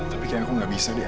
tapi kayaknya aku gak bisa deh